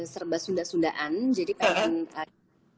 serba sunda sundaan jadi pengen